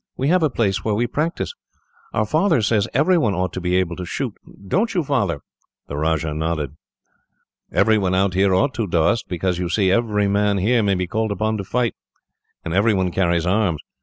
We have a place where we practise. "Our father says everyone ought to be able to shoot don't you, Father?" The Rajah nodded. "Everyone out here ought to, Doast, because, you see, every man here may be called upon to fight, and everyone carries arms.